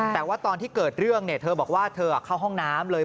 แต่ว่าตอนที่เกิดเรื่องเธอบอกว่าเธอเข้าห้องน้ำเลย